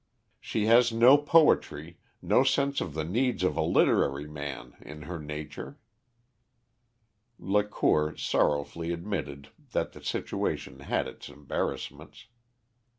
She has no poetry, no sense of the needs of a literary man, in her nature." Lacour sorrowfully admitted that the situation had its embarrassments.